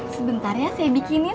sebentar ya saya bikinin